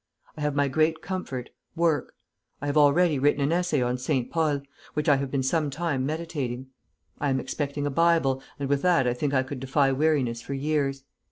I have my great comfort, work. I have already written an essay on Saint Paul, which I have been some time meditating. I am expecting a Bible, and with that I think I could defy weariness for years.